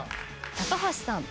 高橋さん。